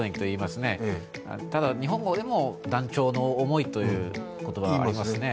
ただ、日本語でも断腸の思いという言葉がありますね。